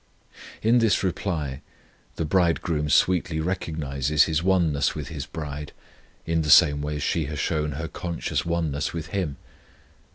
In this reply the Bridegroom sweetly recognizes His oneness with His bride, in the same way as she has shown her conscious oneness with Him.